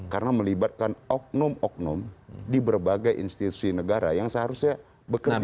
karena melibatkan oknum oknum di berbagai institusi negara yang seharusnya bekerja untuk